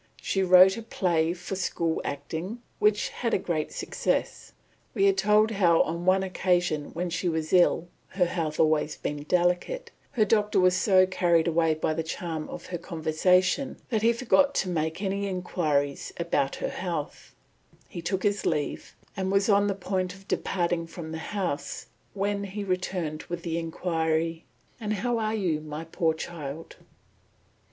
She wrote a play for school acting, which had a great success; we are told how on one occasion, when she was ill (her health was always delicate), her doctor was so carried away by the charm of her conversation that he forgot to make any inquiries about her health; he took his leave, and was on the point of departing from the house, when he returned with the inquiry, "And how are you, my poor child?"